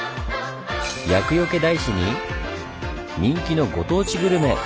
厄よけ大師に人気のご当地グルメ！